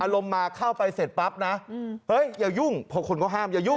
อารมณ์มาเข้าไปเสร็จปั๊บอย่ายุ่งเพราะคนก็ห้าม